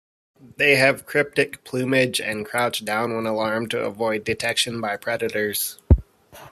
They have cryptic plumage and crouch down when alarmed to avoid detection by predators.